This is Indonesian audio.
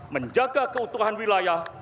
menjaga keutuhan wilayah